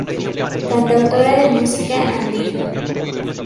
Cantautora de música andina.